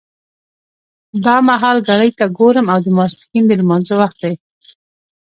دا مهال ګړۍ ته ګورم او د ماسپښین د لمانځه وخت دی.